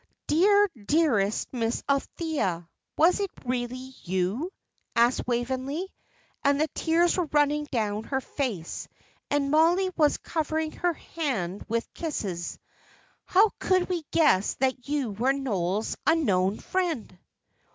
"Dear, dearest Miss Althea, was it really you?" asked Waveney, and the tears were running down her face, and Mollie was covering her hand with kisses. "How could we guess that you were Noel's unknown friend?"